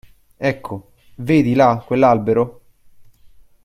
Ecco, vedi là quell'albero?